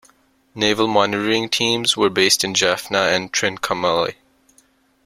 Naval monitoring teams were based in Jaffna and Trincomalee.